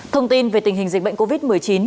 thông tin về tình hình dịch bệnh covid một mươi chín